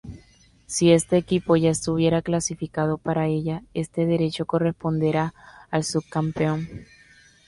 Si este equipo ya estuviera clasificado para ella, este derecho corresponderá al subcampeón.